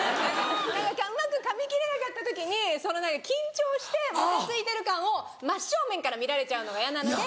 うまくかみ切れなかった時にその何か緊張してもたついてる感を真っ正面から見られちゃうのが嫌なので。